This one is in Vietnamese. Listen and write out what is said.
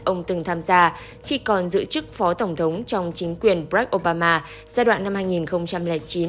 ông từng tham gia khi còn giữ chức phó tổng thống trong chính quyền barack obama giai đoạn năm hai nghìn chín hai nghìn một mươi bảy